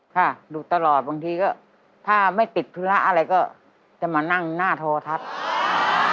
ค่ะดูตลอดบางทีก็ถ้าไม่ติดธุระอะไรก็จะมานั่งหน้าโทรทัศน์